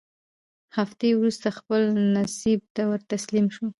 هفتې وورسته خپل نصیب ته ورتسلیم سو